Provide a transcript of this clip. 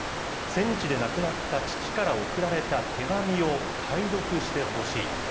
戦地で亡くなった父から送られた手紙を解読してほしい。